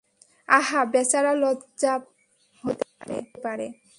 আহা, বেচারার লজ্জা হতে পারে।